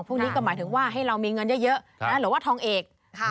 พวกนี้ก็หมายถึงว่าให้เรามีเงินเยอะหรือว่าทองเอก